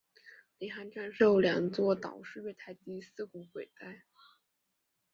领航站设有两座岛式月台及四股轨道。